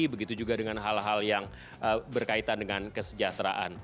begitu juga dengan hal hal yang berkaitan dengan kesejahteraan